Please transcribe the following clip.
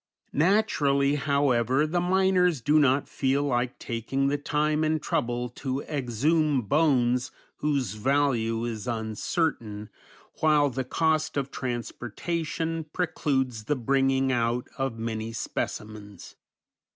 Naturally, however, the miners do not feel like taking the time and trouble to exhume bones whose value is uncertain, while the cost of transportation precludes the bringing out of many specimens.